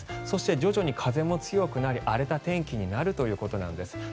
そして徐々に風も強くなり荒れた天気になるということです